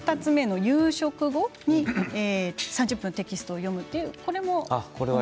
夕食後に３０分テキストを読むというのも。